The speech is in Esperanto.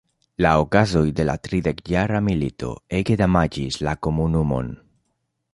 La okazoj de la Tridekjara milito ege damaĝis la komunumon.